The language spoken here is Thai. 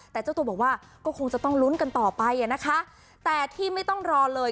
แต่เจ้าตัวบอกว่าก็คงจะต้องลุ้นกันต่อไปอ่ะนะคะแต่ที่ไม่ต้องรอเลย